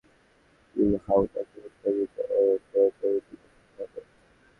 ইউহাওয়া তাকে উত্তেজিত ও প্ররোচিত করতে থাকে।